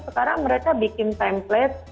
sekarang mereka bikin template